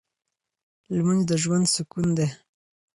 لمونځ د ژوند سکون دی.